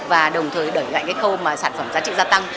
và đồng thời đẩy lại cái khâu mà sản phẩm giá trị gia tăng